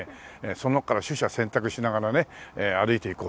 その中から取捨選択しながらね歩いて行こうと。